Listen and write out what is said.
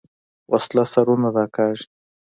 وسله سرونه راکاږي